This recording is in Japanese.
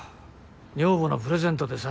女房のプレゼントでさ。